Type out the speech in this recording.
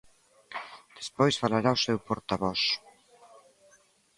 Despois falará o seu portavoz.